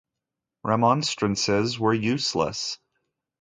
Remonstrances were useless.